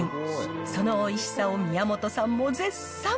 そのおいしさを宮本さんも絶賛。